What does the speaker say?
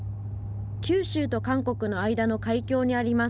九州と韓国の間の海峡にあります。